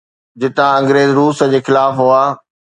جتان انگريز روس جي خلاف هئا.